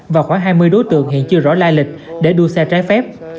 và khoảng hai mươi đối tượng hiện chưa rõ lai lịch để đua xe trái phép